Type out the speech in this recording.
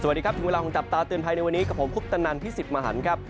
สวัสดีครับถึงเวลาของจับตาเตือนภัยในวันนี้กับผมคุปตนันพิสิทธิ์มหันครับ